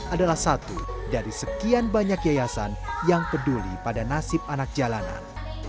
adalah satu dari sekian banyak yayasan yang peduli pada nasib anak jalanan